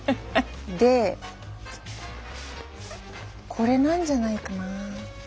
でこれなんじゃないかな？